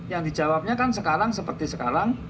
yang dijawabnya kan sekarang seperti sekarang